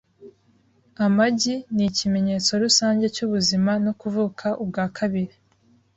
Amagi nikimenyetso rusange cyubuzima no kuvuka ubwa kabiri .